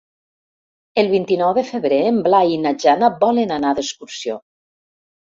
El vint-i-nou de febrer en Blai i na Jana volen anar d'excursió.